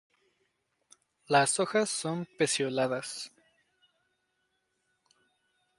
Las hojas son pecioladas.